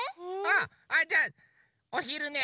あじゃあおひるね！